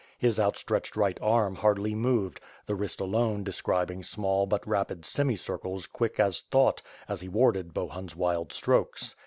His outstretched right arm hardly moved, the wrist alone describing small but rapid semicircles quick as thcnight, as he warded Bohun's wild strokes.